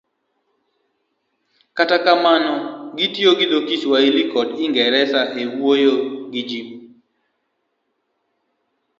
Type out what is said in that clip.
to kata kamano gitiyo gi dho Swahili kod Ingresa e wuoyo gi ji.